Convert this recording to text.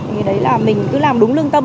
như đấy là mình cứ làm đúng lương tâm